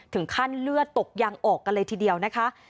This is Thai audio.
ถึงขั้นเลือดตกยางออกกันเลยทีเดียวนะคะ